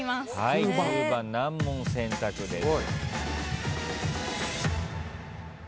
９番難問選択です。